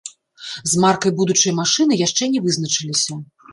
З маркай будучай машыны яшчэ не вызначыліся.